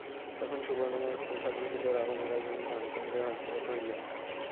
তখন সুবর্ণময় প্রাসাদভূষিত রাবণের রাজধানী রামচন্দ্রের হস্তগত হইল।